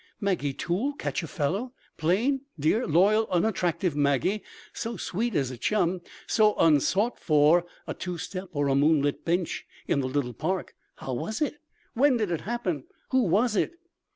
Maggie Toole catch a fellow! Plain, dear, loyal, unattractive Maggie, so sweet as a chum, so unsought for a two step or a moonlit bench in the little park. How was it? When did it happen? Who was it?